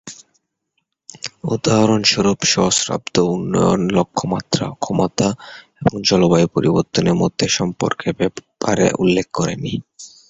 উদাহরণস্বরূপ, সহস্রাব্দ উন্নয়ন লক্ষ্যমাত্রা অক্ষমতা এবং জলবায়ু পরিবর্তনের মধ্যে সম্পর্কের ব্যাপারে উল্লেখ করেনি।